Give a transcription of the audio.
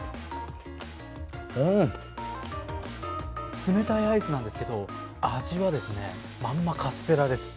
うん、冷たいアイスなんですけど味はまんまカステラです。